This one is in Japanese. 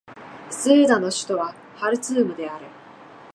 スーダンの首都はハルツームである